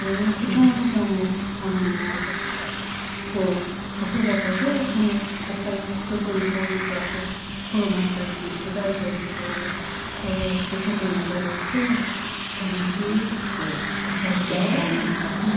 可奈子さんも子育てでやっぱり人との交流がコロナだし途絶えているところで「こうやって外に出れて楽しい」っておっしゃってくださいました。